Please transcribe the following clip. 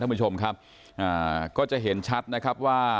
ท่านผู้ชมครับอ่าก็จะเห็นชัดนะครับว่า